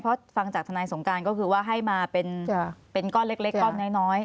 เพราะฟังจากทนายสงการก็คือว่าให้มาเป็นจ้ะเป็นก้อนเล็กเล็กก้อนน้อยน้อย